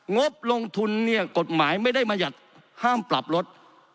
งบลงทุนเนี่ยกฎหมายไม่ได้บรรยัติห้ามปรับลด